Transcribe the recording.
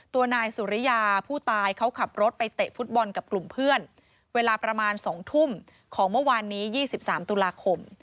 ตัวนายสุริยาผู้ตายเขาขับรถไปเตะฟุตบอลกับกลุ่มเพื่อนเวลาประมาณ๒ทุ่มของเมื่อวานนี้๒๓ตุลาคม